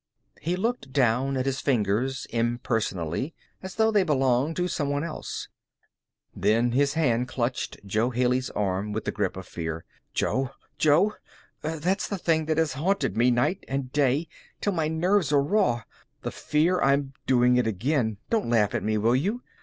He looked down at his fingers impersonally, as though they belonged to some one else. Then his hand clutched Jo Haley's arm with the grip of fear. "Jo! Jo! That's the thing that has haunted me day and night, till my nerves are raw. The fear of doing it again. Don't laugh at me, will you?